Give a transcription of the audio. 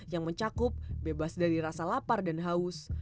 yang mencakup bebas dari rasa lapar dan haus